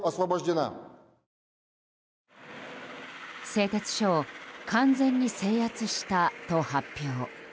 製鉄所を完全に制圧したと発表。